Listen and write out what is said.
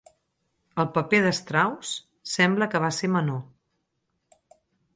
El paper de Strauss sembla que va ser menor.